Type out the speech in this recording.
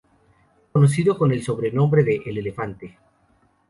Conocido con el sobrenombre de "El Elefante".